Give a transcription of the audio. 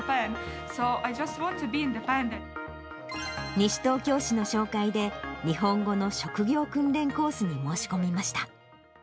西東京市の紹介で、日本語の職業訓練コースに申し込みました。